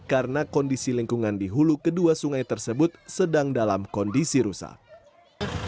karena kondisi lingkungan di hulu kedua sungai tersebut sedang dalam kondisi rusak